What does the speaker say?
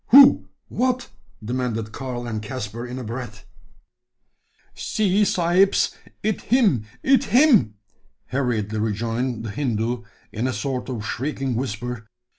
"Who? What?" demanded Karl and Caspar, in a breath. "See, sahibs! it him it him!" hurriedly rejoined the Hindoo, in a sort of shrieking whisper.